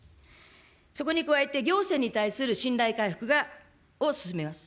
そこに加えて、行政に対する信頼回復を進めます。